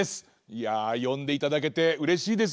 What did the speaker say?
いやよんでいただけてうれしいです。